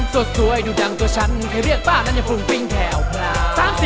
สวยดูดังตัวฉันใครเรียกป้านั้นยังฟูล์กริงแถวพลา